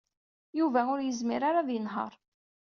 Yuba ur yezmir ara ad yenheṛ.